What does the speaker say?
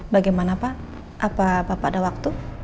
bagaimana pak apa ada waktu